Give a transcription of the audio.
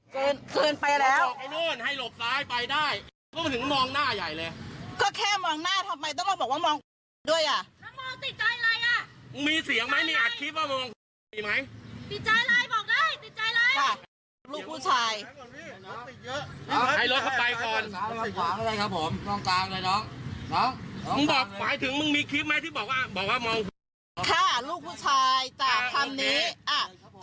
จากคับนี้จำไว้นะลูกผู้ชาย